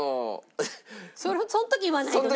その時言わないとね。